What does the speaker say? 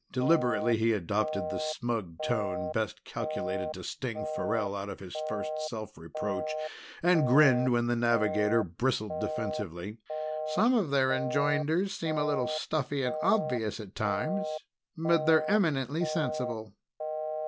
Deliberately he adopted the smug tone best calculated to sting Farrell out of his first self reproach, and grinned when the navigator bristled defensively. "Some of their enjoinders seem a little stuffy and obvious at times, but they're eminently sensible."